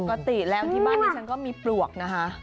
ปกติแล้วที่บ้านดิฉันก็มีปลวกนะคะ